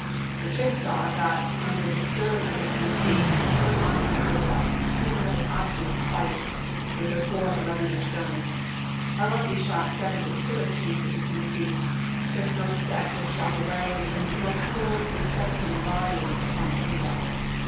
The Chickasaw got under the stern of the Tennessee and hung on like a bulldog, keeping up an obstinate fire with her MOBILE BAY 237 four 11 inch guns. A lucky shot severed the tiller chap. x. chains of the Tennessee; her smoke stack was shot away, and the smoke poured in suffocating volumes upon the gun deck.